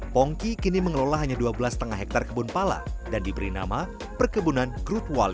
pongki kini mengelola hanya dua belas lima hektare kebun pala dan diberi nama perkebunan grup wali